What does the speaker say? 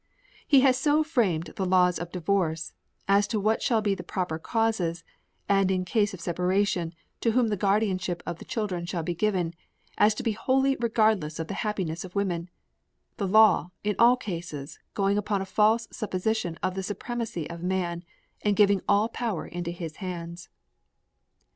He has so framed the laws of divorce, as to what shall be the proper causes, and in case of separation, to whom the guardianship of the children shall be given, as to be wholly regardless of the happiness of women the law, in all cases, going upon a false supposition of the supremacy of man, and giving all power into his hands.